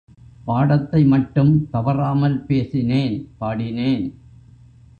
பாடத்தை மட்டும் தவறாமல் பேசினேன் பாடினேன்.